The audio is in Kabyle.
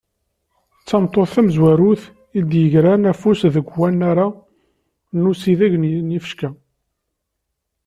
D tameṭṭut tamzwarut i d-yegren afus deg unnar-a n usideg n yifecka.